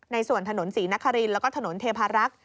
ในส่วนถนนศรีนครีนแล้วก็ถนนเทพรักษณ์